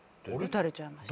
撃たれちゃいました。